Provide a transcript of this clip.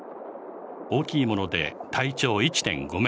大きいもので体長１．５メートル。